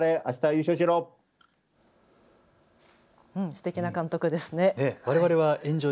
すてきな監督ですね。